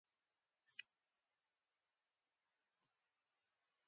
علي په دوه میاشتو کې د کور موټر کنډ کپر کړی دی.